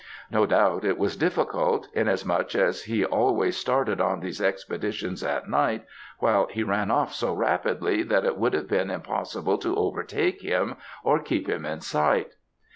No doubt, it was difficult, inasmuch as he always started on these expeditions at night, while he ran off so rapidly that it would have been impossible to overtake him or keep him in sight.